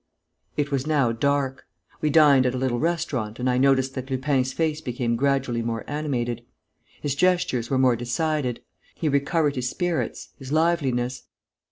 It was now dark. We dined at a little restaurant and I noticed that Lupin's face became gradually more animated. His gestures were more decided. He recovered his spirits, his liveliness.